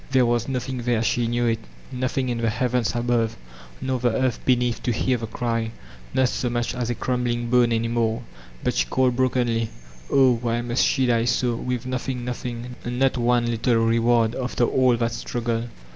There was nothing there, she knew it ; nothing in the heavens above nor the earth beneath to hear the cry, — not so much as a 450 VOLTAIRIKE DB ClETKE crumbling bone any more» — ^but she caUed brokenly, ''Oh, why must she die so, with nothing, nothii^, not one little reward after all that struggle?